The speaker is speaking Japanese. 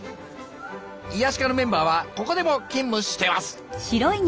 癒し課のメンバーはここでも勤務してます。